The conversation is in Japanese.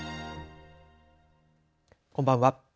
こんばんは。